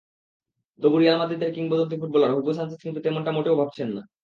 তবে রিয়াল মাদ্রিদের কিংবদন্তি ফুটবলার হুগো সানচেজ কিন্তু তেমনটা মোটেও ভাবছেন না।